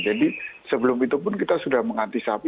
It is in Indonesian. jadi sebelum itu pun kita sudah mengantisipasi